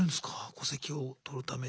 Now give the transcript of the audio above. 戸籍をとるために。